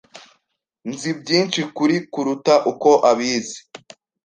Nzi byinshi kuri kuruta uko abizi.